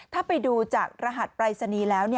ถ้าไปดูจากรหัสปรายศนีย์แล้ว